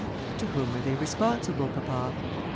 "To whom are they responsible, papa?"